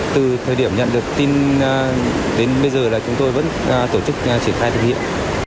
từ thời điểm nhận được tin đến bây giờ là chúng tôi vẫn tổ chức triển khai thực hiện